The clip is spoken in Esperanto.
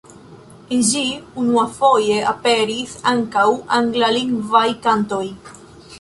En ĝi unuafoje aperis ankaŭ anglalingvaj kantoj.